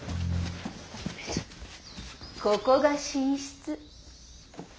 ここが寝室。